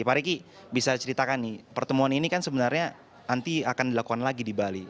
pak riki bisa ceritakan nih pertemuan ini kan sebenarnya nanti akan dilakukan lagi di bali